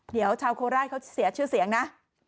เดี๋ยวชาวโคราชเขาเสียชื่อเสียงนะ